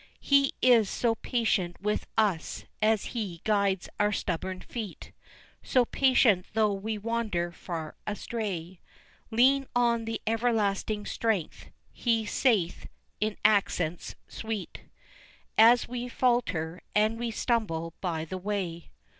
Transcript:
He is so patient with us as He guides our stubborn feet So patient though we wander far astray, Lean on the Everlasting Strength, He saith in accents sweet, As we falter and we stumble by the way.